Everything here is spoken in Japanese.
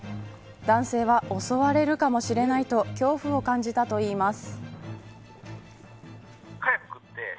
男性は襲われるかもしれないと恐怖を感じたといいます。